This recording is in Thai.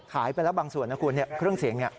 ขายไปแล้วบางส่วนนะคุณเครื่องเสียง